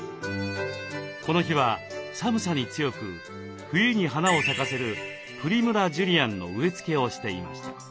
この日は寒さに強く冬に花を咲かせるプリムラ・ジュリアンの植え付けをしていました。